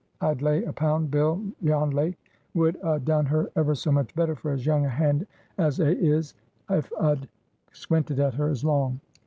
I'd lay a pound bill Jan Lake would a done her ever so much better, for as young a hand as a is, if a'd squinted at her as long."